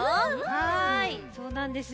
はいそうなんです。